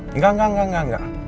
enggak enggak enggak enggak